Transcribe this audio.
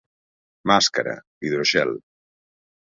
Máscara, hidroxel.